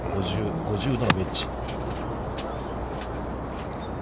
５０度のエッジ。